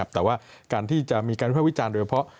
แต่ว่าการที่จะมีการวิภาควิจารณ์โดยเฉพาะ